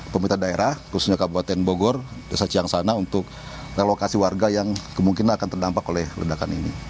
pemerintah daerah khususnya kabupaten bogor desa ciang sana untuk relokasi warga yang kemungkinan akan terdampak oleh ledakan ini